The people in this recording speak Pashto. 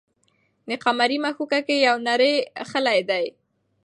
د قمرۍ مښوکه کې یو نری خلی دی.